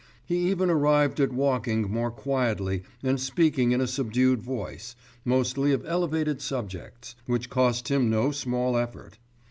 He even arrived at walking more quietly and speaking in a subdued voice, mostly of elevated subjects, which cost him no small effort.